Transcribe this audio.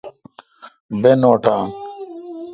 بہ نوٹان۔